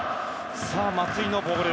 さあ、松井のボール。